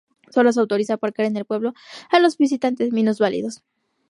Sólo se autoriza aparcar en el pueblo a los visitantes minusválidos.